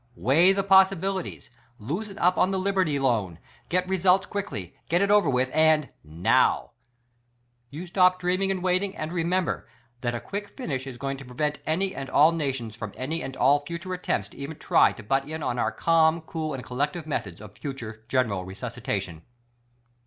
Weigh the possibilities ; loosen up on the liberty loan ; get results quickly ; get it over with, and — now ! You stop dreaming and waiting ; and remember : That a quick finish is going to prevent any and all nations from any and all future attempts to even try to butt in on our calm, cool and collective methods of future general resuscitation.